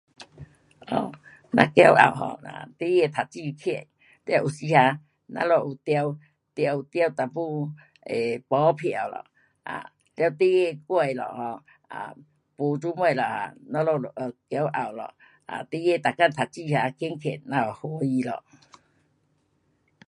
um 咱骄傲 um 孩儿读书棒，完有时哈，咱们有的得，得，得一点呃，马票了，啊，完孩儿乖了哦，啊，没这么啦，咱们骄傲咯，孩儿每天读书哈棒棒，咱们欢喜咯。